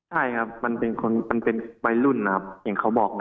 ใช่ครับมันเป็นคนมันเป็นใบรุ่นนะครับอย่างเขาบอกนะ